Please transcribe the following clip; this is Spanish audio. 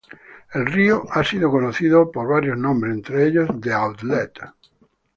El río ha sido conocido por varios nombres, entre ellos "the outlet".